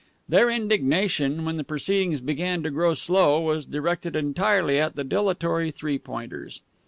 Their indignation, when the proceedings began to grow slow, was directed entirely at the dilatory Three Pointers.